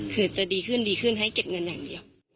คือจะดีขึ้นดีขึ้นให้เก็บเงินอย่างเดียว